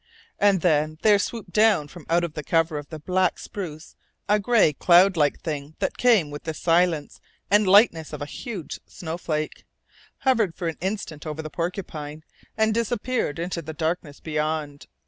And then there swooped down from out of the cover of the black spruce a gray cloudlike thing that came with the silence and lightness of a huge snowflake, hovered for an instant over the porcupine, and disappeared into the darkness beyond.